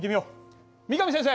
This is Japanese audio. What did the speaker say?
三上先生！